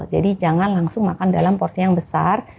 jadi jangan langsung makan dalam porsi yang besar